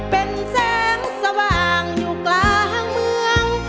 เป็นแสงสว่างอยู่กลางเมือง